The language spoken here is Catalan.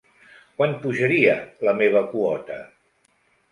Quant pujaria la meva quota?